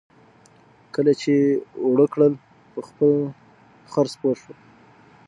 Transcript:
کله چې یې اوړه کړه په خپل خر سپور شو.